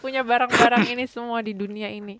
punya barang barang ini semua di dunia ini